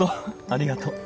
ありがとう。